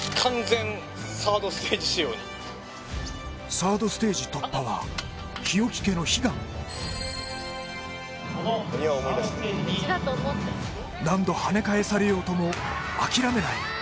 サードステージ突破は日置家の悲願何度はね返されようとも諦めない